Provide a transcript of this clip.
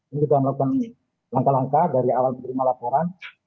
ini sudah melakukan langkah langkah dari awal menerima laporan